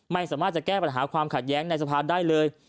ไม่สามารถจะแก้ปัญหาความขัดแย้งในสภาได้เลย